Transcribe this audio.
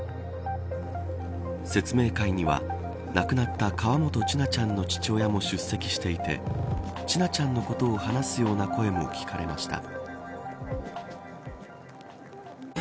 説明会には亡くなった河本千奈ちゃんの父親も出席していて千奈ちゃんのことを話すような声も聞かれました。